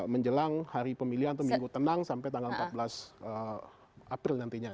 menjelang hari pemilihan atau minggu tenang sampai tanggal empat belas april nantinya